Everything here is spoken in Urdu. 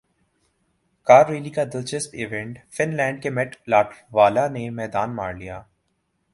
کارریلی کا دلچسپ ایونٹ فن لینڈ کے میٹ لاٹوالہ نے میدان مار لیا